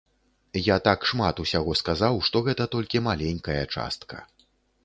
Я так шмат усяго сказаў, што гэта толькі маленькая частка.